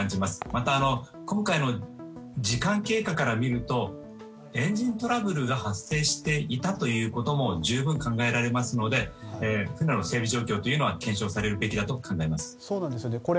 また、今回の時間経過から見るとエンジントラブルが発生したということも十分、考えられますので船の整備状況は検証されるべきだと考えます。